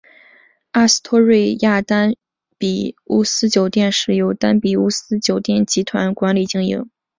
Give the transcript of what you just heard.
阿斯托瑞亚丹比乌斯酒店由丹比乌斯酒店集团管理经营。